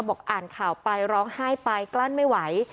อ่านข่าวไปร้องไห้ไปกลั้นไม่ไหว